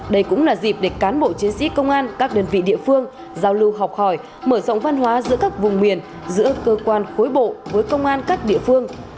đây cũng là dịp để cán bộ chiến sĩ công an các đơn vị địa phương giao lưu học hỏi mở rộng văn hóa giữa các vùng miền giữa cơ quan khối bộ với công an các địa phương